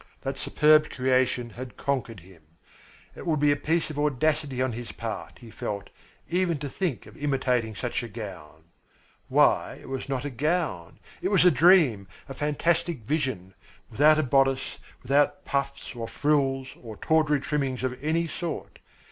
That superb creation had conquered him. It would be a piece of audacity on his part, he felt, even to think of imitating such a gown. Why, it was not a gown. It was a dream, a fantastic vision without a bodice, without puffs or frills or tawdry trimmings of any sort.